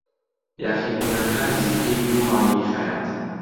یاخیبوونەکە نزیکەی دوو مانگی خایاند.